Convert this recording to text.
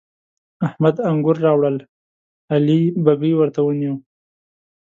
احمد انګور راوړل؛ علي بږۍ ورته ونيو.